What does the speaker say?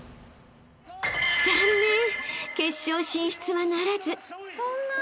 ［残念決勝進出は成らず］